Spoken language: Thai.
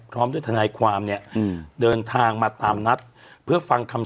พร้อมด้วยทนายความเนี่ยอืมเดินทางมาตามนัดเพื่อฟังคำ